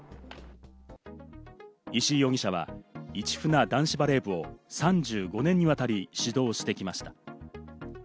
石井容疑者は市船男子バレー部を３５年にわたり指導してきました。